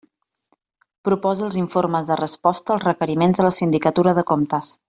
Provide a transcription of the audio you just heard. Proposa els informes de resposta als requeriments de la Sindicatura de Comptes.